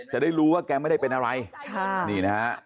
ที่พูดไม่ดีไปขอโทษด้วยนะ